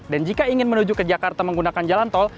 dan jika ingin menuju ke jakarta menggunakan jalan tol